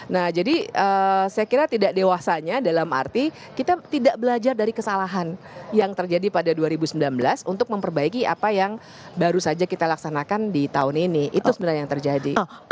nah jadi saya kira tidak dewasanya dalam arti kita tidak belajar dari kesalahan yang terjadi pada dua ribu sembilan belas untuk memperbaiki apa yang baru saja kita laksanakan di tahun ini itu sebenarnya yang terjadi